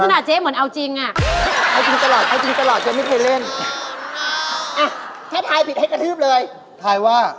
ถ้าทายผิดเตะเจ๊เลยเตะเจ๊เลย